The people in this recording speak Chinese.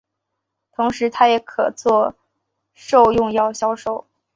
同时它也可作兽用药销售。